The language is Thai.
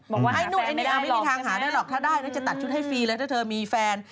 บอกว่าหาแฟนได้หรอกใช่ไหมถ้าได้ก็จะตัดชุดให้ฟรีแล้วถ้าเธอมีแฟน